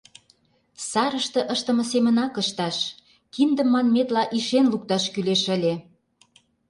Сарыште ыштыме семынак ышташ, киндым, манметла, ишен лукташ кӱлеш ыле.